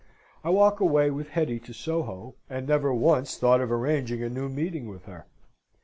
I walk away with Hetty to Soho, and never once thought of arranging a new meeting with her.